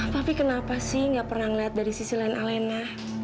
tapi kenapa sih gak pernah ngeliat dari sisi lain alena